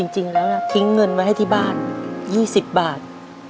จริงแล้วทิ้งเงินไว้ให้ที่บ้าน๒๐บาท